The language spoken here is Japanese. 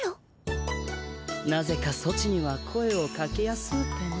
なぜかソチには声をかけやすうての。